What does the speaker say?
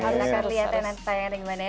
harus harus harus